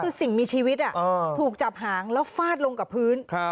คือสิ่งมีชีวิตถูกจับหางแล้วฟาดลงกับพื้น